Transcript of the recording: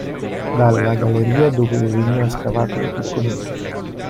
Dalla galleria dove veniva scavato dal picconiere.